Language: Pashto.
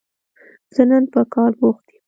زه نن په کار بوخت يم